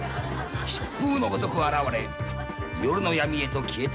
疾風のごとく現れ夜の闇へと消えていく。